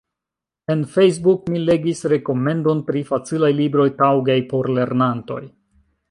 En Facebook mi legis rekomendon pri facilaj libroj taŭgaj por lernantoj.